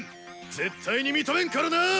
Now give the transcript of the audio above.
絶対に認めんからな！